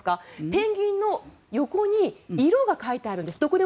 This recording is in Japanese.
ペンギンの横に色が書いてあるんです。